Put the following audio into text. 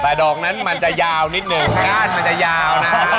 แต่ดอกนั้นมันจะยาวนิดหนึ่งก้านมันจะยาวนะฮะ